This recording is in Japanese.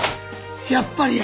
やっぱりや。